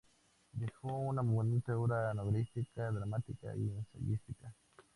Dejó una abundante obra novelística, dramática y ensayística.